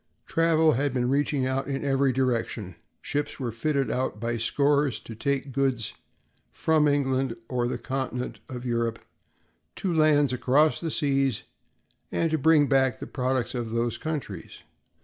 Travel had been reaching out in every direction; ships were fitted out by scores to take goods from England or the continent of Europe to lands across the seas and to bring back the products of these countries.